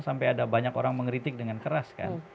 sampai ada banyak orang mengeritik dengan keras kan